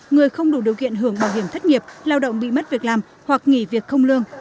người không đủ điều kiện hưởng bảo hiểm thất nghiệp lao động bị mất việc làm hoặc nghỉ việc không lương